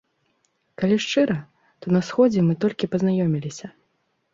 Калі шчыра, то на сходзе мы толькі пазнаёміліся.